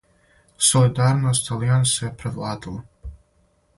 Солидарност алијансе је превладала.